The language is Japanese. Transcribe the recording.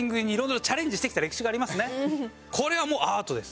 これはもうアートです。